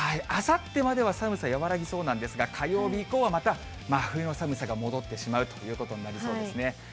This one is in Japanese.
あさってまでは寒さ和らぎそうなんですが、火曜日以降はまた真冬の寒さが戻ってしまうということになりそうですね。